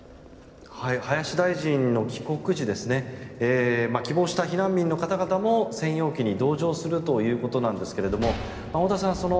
林大臣の帰国時希望した避難民の方々も専用機に同乗するということなんですが太田さん